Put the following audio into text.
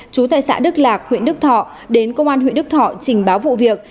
chú tại xã đức lạc huyện đức thọ đến công an huyện đức thọ trình báo vụ việc